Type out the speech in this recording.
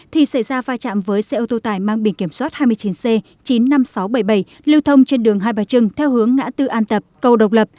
thì xảy ra vai trạm với xe ô tô tải mang biển kiểm soát hai mươi chín c chín mươi năm nghìn sáu trăm bảy mươi bảy lưu thông trên đường hai bà trưng theo hướng ngã tư an tập cầu độc lập